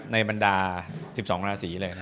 บรรดา๑๒ราศีเลย